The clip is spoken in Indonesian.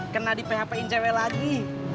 kena di php in cewek lagi